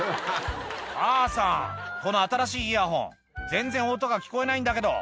「母さんこの新しいイヤホン全然音が聞こえないんだけど」